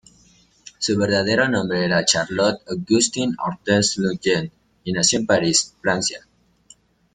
Su verdadero nombre era Charlotte Augustine Hortense Lejeune, y nació en París, Francia.